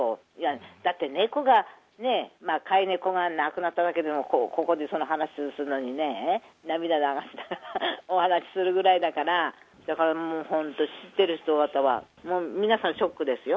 だって、猫がね、飼い猫が亡くなっただけでも、ここでその話をするときにね、涙流してお話しするぐらいだから、だからもう、本当、知ってる人は皆さんショックですよ。